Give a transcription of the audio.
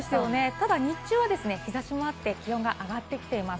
ただ日中は日差しもあって、気温も上がってきています。